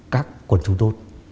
các quần chúng tốt